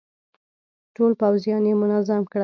ټول پوځيان يې منظم کړل.